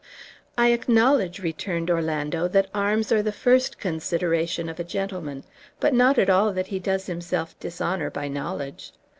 "I acknowledge," returned Orlando, "that arms are the first consideration of a gentleman; but not at all that he does himself dishonor by knowledge.